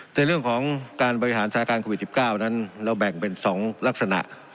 ในเรื่องของการบริหารสถานการณ์โควิด๑๙นั้นเราแบ่งเป็น๒ลักษณะ